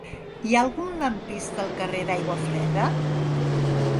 Hi ha algun lampista al carrer d'Aiguafreda?